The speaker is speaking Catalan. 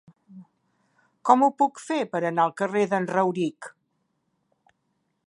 Com ho puc fer per anar al carrer d'en Rauric?